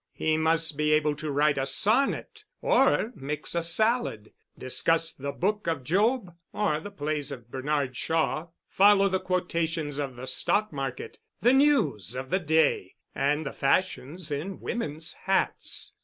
He must be able to write a sonnet or mix a salad, discuss the Book of Job or the plays of Bernard Shaw, follow the quotations of the stock market, the news of the day, and the fashions in women's hats.